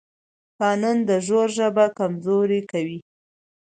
قانون د زور ژبه کمزورې کوي